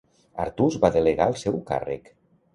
Artús va delegar el seu càrrec.